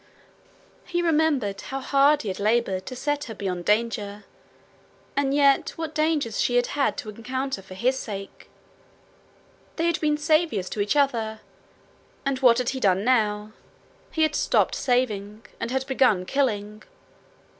He remembered how hard he had laboured to set her beyond danger, and yet what dangers she had had to encounter for his sake: they had been saviours to each other and what had he done now? He had stopped saving, and had begun killing!